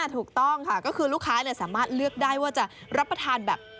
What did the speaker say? ถูกต้องค่ะก็คือลูกค้าสามารถเลือกได้ว่าจะรับประทานแบบ